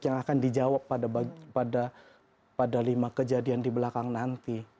yang akan dijawab pada lima kejadian di belakang nanti